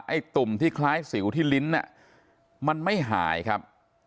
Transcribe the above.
ตุ่มที่คล้ายสิวที่ลิ้นมันไม่หายครับ